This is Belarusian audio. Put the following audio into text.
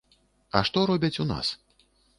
А што робяць у нас?